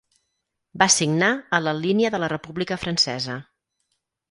Va signar a la línia de la República Francesa.